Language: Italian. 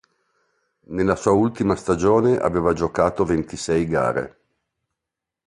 Nella sua ultima stagione aveva giocato ventisei gare.